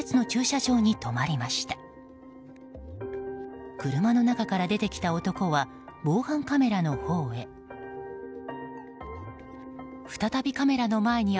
車の中から出てきた男は防犯カメラのほうへ。